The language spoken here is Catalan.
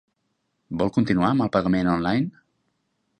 Vol continuar amb el pagament online?